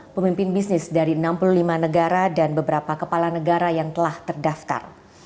pemimpin bisnis dari enam puluh lima negara dan beberapa kepala negara yang telah terdaftar